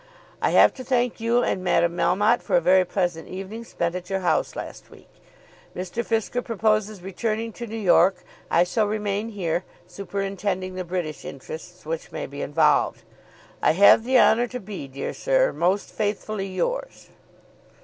I have to thank you and Madame Melmotte for a very pleasant evening spent at your house last week. Mr. Fisker proposes returning to New York. I shall remain here, superintending the British interests which may be involved. I have the honour to be, Dear Sir, Most faithfully yours